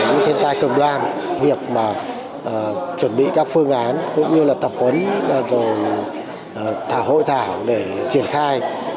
những thiên tai cực đoan việc mà chuẩn bị các phương án cũng như là tập huấn rồi thả hội thảo để triển khai